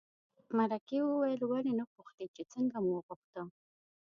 مرکې وویل ولې نه پوښتې چې څنګه مو وغوښته.